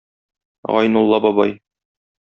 Гайнулла бабай.